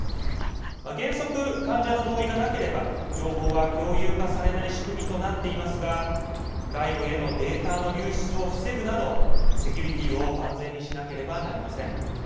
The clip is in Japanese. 原則、患者の同意がなければ情報は共有化されない仕組みとなっていますが外部へのデータの流出を防ぐなどセキュリティーを万全にしなければなりません。